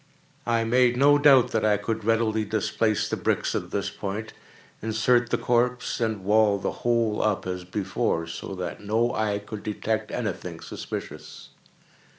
I made no doubt that I could readily displace the bricks at this point, insert the corpse, and wall the whole up as before, so that no eye could detect any thing suspicious.